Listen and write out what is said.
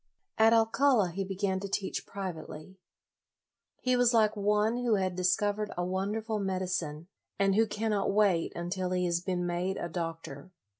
At Alcala he began to teach privately. He was like one who had discovered a wonderful medicine, and who cannot wait until he has been made a doctor.